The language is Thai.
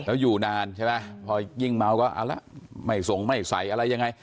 แล้วอยู่นานใช่ไหมพอยิ่งเมาก็เอาละไม่ส่งไม่ใส่อะไรยังไง